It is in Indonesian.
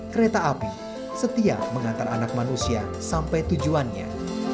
kereta api setia mengantar anak manusia sampai tujuannya